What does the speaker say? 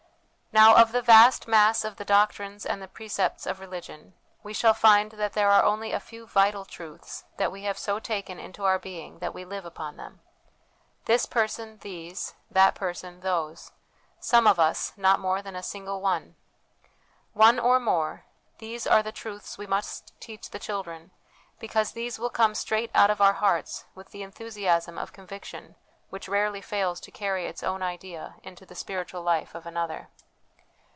Now, of the vast mass of the doctrines and the precepts of religion, we shall find that there are only a few vital truths that we have so taken into our being that we live upon them this person, these ; that person, those; some of us, not more than a single one. One or more, these are the truths we must teach the children, because these will come straight out of our hearts with the enthusiasm of conviction which rarely fails to carry its own idea into the spiritual life of another.